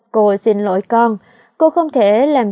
cô xin lỗi con cô không thể làm